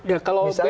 ya kalau beda kan